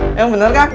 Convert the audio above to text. emang bener kang